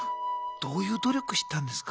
どういう努力したんですか？